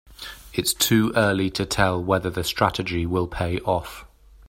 It's too early to tell whether the strategy will pay off.